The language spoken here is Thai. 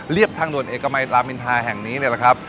เรียบทางด่วนเอกมัยรามินทราแห่งนี้เลยครับ